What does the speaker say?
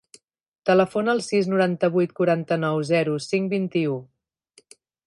Telefona al sis, noranta-vuit, quaranta-nou, zero, cinc, vint-i-u.